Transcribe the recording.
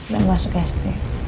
yang masuk sd